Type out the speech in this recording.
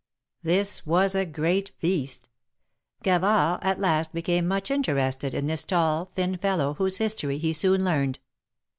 This was a great feast. Gavard at last became much in terested in this tall, thin fellow, whose history he soon learned.